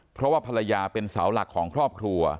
เพราะว่าภรรยาเป็นเสาหลักของครอบครัว